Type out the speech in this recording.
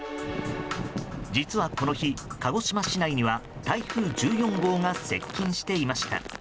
実はこの日、鹿児島市内には台風１４号が接近していました。